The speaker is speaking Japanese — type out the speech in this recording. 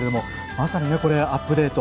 まさにねこれアップデート